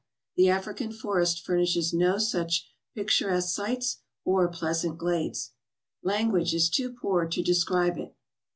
the African forest furnishes no such picturesque sights or pleasant glades. Language is too poor to describe it.